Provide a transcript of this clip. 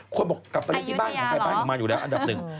คนบอกกลับไปเล่นที่บ้านของใครบ้านของมันอยู่แล้วอันดับหนึ่ง